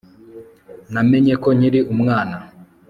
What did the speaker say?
Namenye ko nkiri umwana